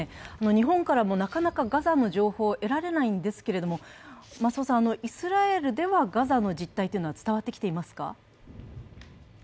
日本からもなかなかガザの情報、得られないんですけれども、イスラエルではガザの実態というのは伝わってきていますか？